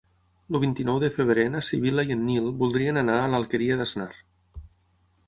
El vint-i-nou de febrer na Sibil·la i en Nil voldrien anar a l'Alqueria d'Asnar.